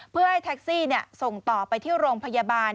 เพื่อให้แท็กซี่ส่งต่อไปที่โรงพยาบาล